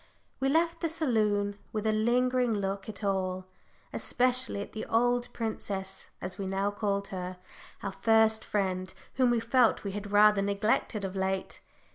We left the saloon with a lingering look at all, especially at the old princess, as we now called her our first friend, whom we felt we had rather neglected of late.